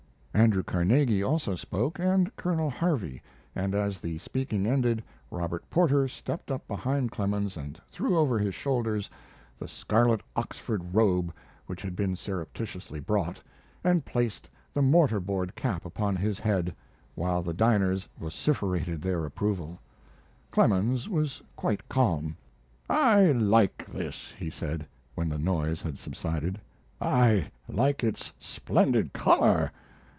Andrew Carnegie also spoke, and Colonel Harvey, and as the speaking ended Robert Porter stepped up behind Clemens and threw over his shoulders the scarlet Oxford robe which had been surreptitiously brought, and placed the mortar board cap upon his head, while the diners vociferated their approval. Clemens was quite calm. "I like this," he said, when the noise had subsided. "I like its splendid color.